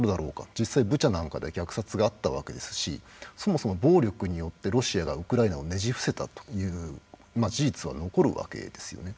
実際、ブチャなんかで虐殺があったわけですしそもそも暴力によってロシアがウクライナをねじ伏せたという事実は残るわけですよね。